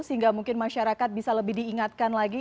sehingga mungkin masyarakat bisa lebih diingatkan lagi